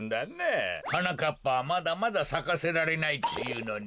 はなかっぱはまだまださかせられないっていうのに。